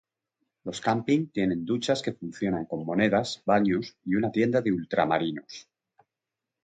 Los camping tienen duchas que funcionan con monedas, baños y una tienda de ultramarinos.